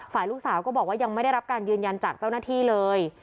ลูกสาวก็บอกว่ายังไม่ได้รับการยืนยันจากเจ้าหน้าที่เลย